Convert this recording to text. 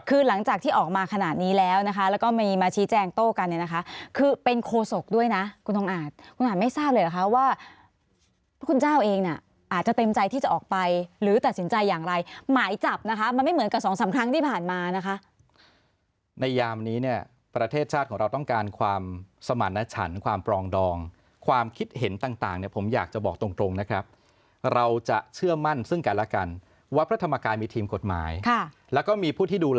คือเป็นโคศกด้วยนะคุณอาจคุณอาจไม่ทราบเลยหรือคะว่าพระคุณเจ้าเองอาจจะเต็มใจที่จะออกไปหรือตัดสินใจอย่างไรหมายจับมันไม่เหมือนกับสองสามครั้งที่ผ่านมาในยามนี้ประเทศชาติของเราต้องการความสมรรณชันความปรองดองความคิดเห็นต่างผมอยากจะบอกตรงนะครับเราจะเชื่อมั่นซึ่งกันแล้วกันวัดพระธรรมกายมี